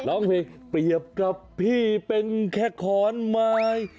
ร้องเพลงเปรียบกับพี่เป็นแค่ขอนไม้